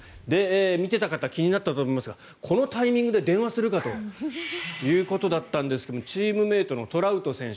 見ていた方気になったと思いますがこのタイミングで電話するかということだったんですけどチームメートのトラウト選手